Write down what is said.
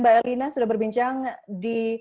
mbak erlina sudah berbincang di